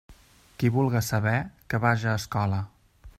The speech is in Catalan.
Qui vulga saber, que vaja a escola.